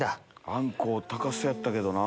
アンコウ高そうやったけどな。